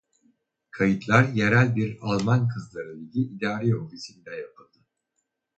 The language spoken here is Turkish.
Kayıtlar yerel bir Alman Kızları Ligi idari ofisinde yapıldı.